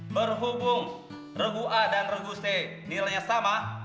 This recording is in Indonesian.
berhubung regu a dan regu c nilainya sama